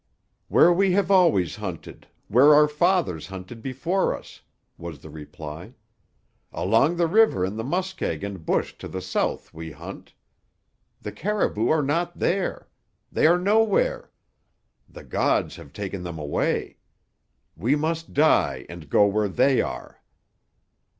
"Where we have always hunted; where our fathers hunted before us," was the reply. "Along the river in the muskeg and bush to the south we hunt. The caribou are not there. They are nowhere. The gods have taken them away. We must die and go where they are."